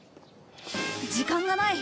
時間がない。